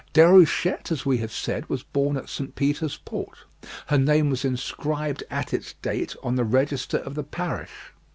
Déruchette, as we have said, was born at St. Peter's Port. Her name was inscribed at its date on the register of the parish.